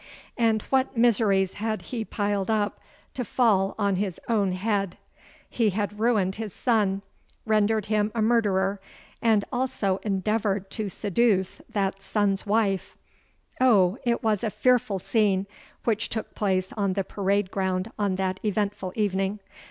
"And what miseries had he piled up, to fall on his own head! He had ruined his son—rendered him a murderer—and also endeavoured to seduce that son's wife. Oh! it was a fearful scene, which took place on the parade ground on that eventful evening.